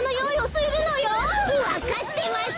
わかってます！